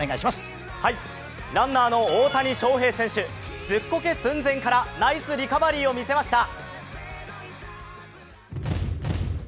ランナーの大谷翔平選手、ズッコケ寸前からナイスリカバリーを見せました。